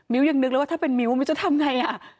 มิ้วยังนึกแล้วว่าถ้าเป็นมิ้วมันจะทำยังไงอะ